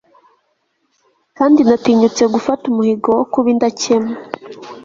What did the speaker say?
Kandi natinyutse gufata umuhigo wo kuba indakemwa